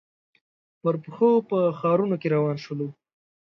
پر پښو په ښارنو کې روان شولو.